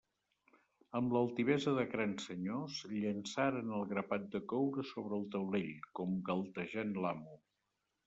Amb l'altivesa de grans senyors, llançaren el grapat de coure sobre el taulell, com galtejant l'amo.